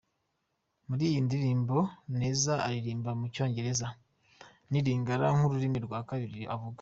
Muri iyi ndirimbo Neza aririmba mu Cyongereza n’Ilingala, nk’ururimi rwa kabiri avuga.